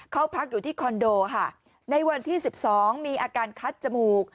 เขาพักอยู่ที่คอนโดค่ะในวันที่๑๒มีอาการคัดจมูก